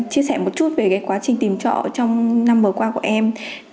chia sẻ một chút về quá trình tìm trọ trong năm vừa qua của em